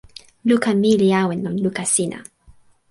luka mi li awen lon luka sina.